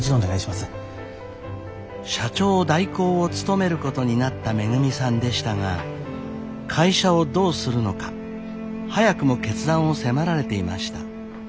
社長代行を務めることになっためぐみさんでしたが会社をどうするのか早くも決断を迫られていました。